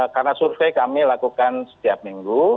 karena survei kami lakukan setiap minggu